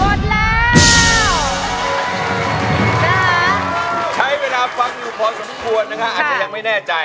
อาจจะยังไม่แน่ใจ